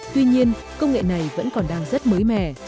tuy nhiên công nghệ này vẫn còn đang rất mới mẻ